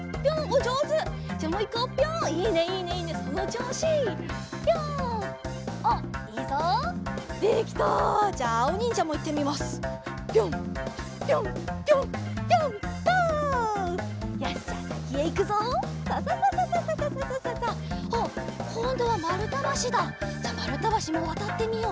じゃまるたばしもわたってみよう。